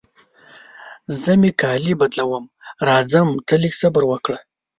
زه مې کالي بدلوم، راځم ته لږ صبر وکړه.